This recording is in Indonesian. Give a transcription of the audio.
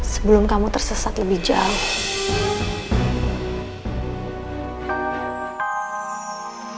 sebelum kamu tersesat lebih jauh